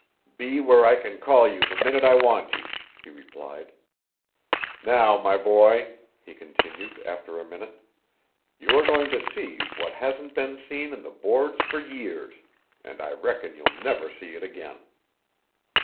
"Be where I can call you the minute I want you," he replied. "Now, my boy," he continued after a minute, "you are going to see what hasn't been seen in the Boards for years, and I reckon you'll never see it again."